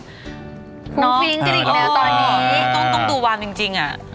คุ้มฟิ้งกันอีกแล้วตอนนี้ต้องดูวางจริงอ่ะอ่า